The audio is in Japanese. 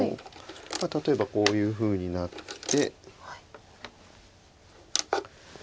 例えばこういうふうになって。